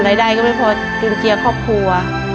รายได้ก็ไม่พอจุนเจียครอบครัว